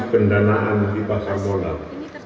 pendanaan di pasar modal